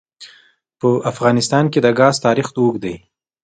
په افغانستان کې د ګاز تاریخ اوږد دی.